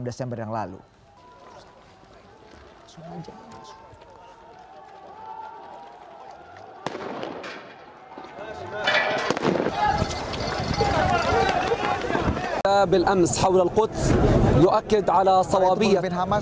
yerusalem menjadi ibu kota israel oleh presiden trump pada enam desember yang lalu